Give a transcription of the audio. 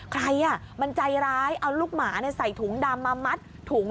ใครมันใจร้ายเอาลูกหมาใส่ถุงดำมามัดถุง